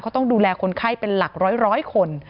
เขาต้องดูแลคนไข้เป็นหลักร้อยคน